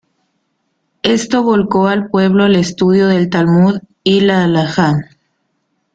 Esto volcó al pueblo al estudio del Talmud y la Halajá.